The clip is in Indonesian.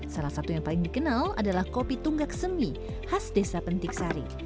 salah satu yang paling dikenal adalah kopi tunggak semi khas desa penting sari